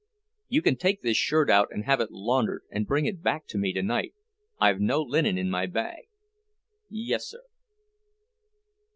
"You can take this shirt out and have it laundered and bring it back to me tonight. I've no linen in my bag." "Yes, sir."